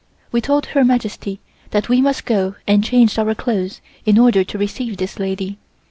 We told Her Majesty that we must go and change our clothes in order to receive this lady.